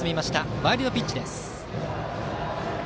ワイルドピッチです。